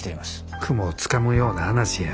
雲をつかむような話や。